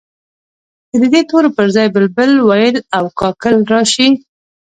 که د دې تورو پر ځای بلبل، وېل او کاکل راشي.